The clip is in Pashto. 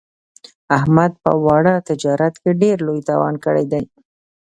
احمد په واړه تجارت کې ډېر لوی تاوان کړی دی.